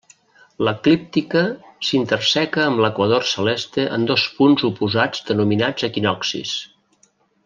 L'eclíptica s'interseca amb l'equador celeste en dos punts oposats denominats equinoccis.